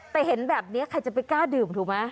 แต่เห็นแบบนี้ใครจะไปกล้าดื่มถูกไหม